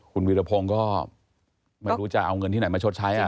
คุณวีรพงศ์ก็ไม่รู้จะเอาเงินที่ไหนมาชดใช้